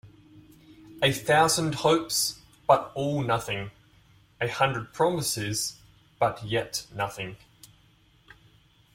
A thousand hopes, but all nothing; a hundred promises but yet nothing.